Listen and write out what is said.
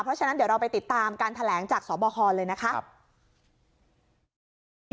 เพราะฉะนั้นเดี๋ยวเราไปติดตามการแถลงจากสบคเลยนะคะ